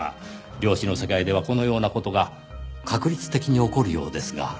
量子の世界ではこのような事が確率的に起こるようですが。